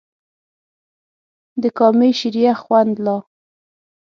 د کامې شریخ خوند لا